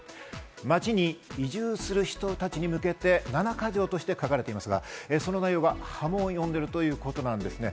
町に移住する人たちに向けて、七か条として書かれているんですが、その内容が波紋を呼んでいるということなんです。